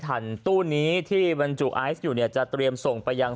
ตู้นี้ที่บรรจุไอซ์อยู่เนี่ยจะเตรียมส่งไปยัง